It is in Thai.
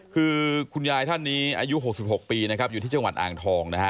คือคุณยายท่านนี้อายุ๖๖ปีนะครับอยู่ที่จังหวัดอ่างทองนะฮะ